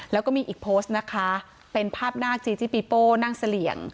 แล้วก็มีอีกโพสต์นะคะเป็นภาพนาคจีจิปีโป้นั่งเสลี่ยง